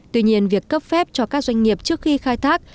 tuy nhiên việc cấp phép cho các doanh nghiệp trước khi khai thác